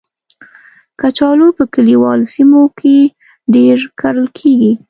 کچالو په کلیوالو سیمو کې ډېر کرل کېږي